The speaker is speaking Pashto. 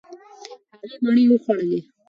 هغې مڼې وخوړلې.